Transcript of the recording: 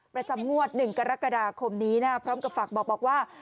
ประจำงวดหนึ่งกรกฎาคมนี้นะพร้อมกับฝากบอกบอกว่า